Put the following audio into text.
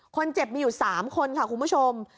คนเจ็บมีอยู่๓คนค่ะคุณผู้ชม